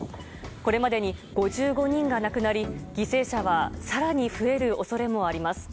これまでに５５人が亡くなり犠牲者は更に増える恐れもあります。